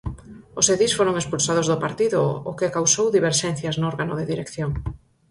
Os edís foron expulsados do partido, o que causou diverxencias no órgano de dirección.